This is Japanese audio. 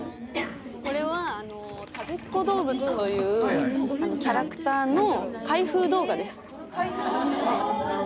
これはたべっ子どうぶつというキャラクターの開封動画です。